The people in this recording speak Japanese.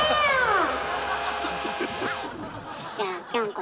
じゃあきょんこ